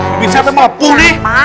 kok bisa temepuh nih